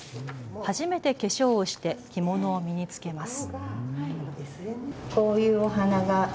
初めて化粧をして着物を身に着けます。